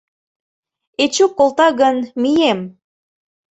Эчук колта гын, мием.